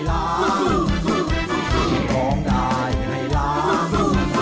รายการต่อไปนี้เป็นรายการทั่วไปสามารถรับชมได้ทุกวัย